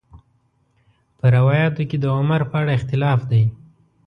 په روایاتو کې د عمر په اړه اختلاف دی.